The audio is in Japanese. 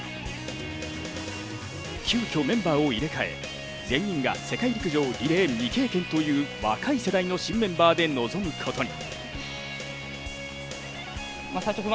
急きょメンバーを入れ替え、全員が世界陸上リレ−未経験という若い世代の新メンバーで臨むことに。